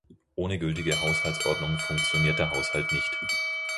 Ohne gültige Haushaltsordnung funktioniert der Haushalt nicht.